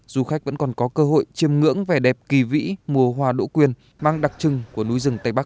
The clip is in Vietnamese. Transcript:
du khách vẫn còn có cơ hội chiêm ngưỡng vẻ đẹp kỳ vĩ mùa hoa đỗ quyên mang đặc trưng của núi rừng tây bắc